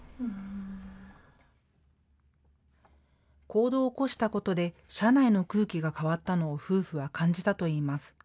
行動を起こしたことで車内の空気が変わったのを夫婦は感じたといいます。